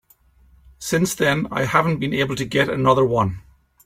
Since then I haven't been able to get another one.